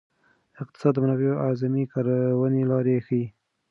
اقتصاد د منابعو اعظمي کارونې لارې ښيي.